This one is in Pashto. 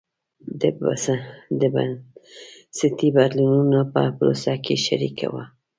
د بنسټي بدلونونو په پروسه کې شریکه وه.